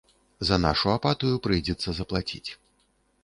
За нашу апатыю прыйдзецца заплаціць.